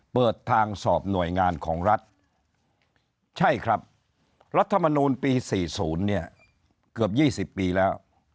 เปิดทางสอบหน่วยงานของรัฐใช่ครับรัฐมนูลปี๔๐เนี่ยเกือบ๒๐ปีแล้ว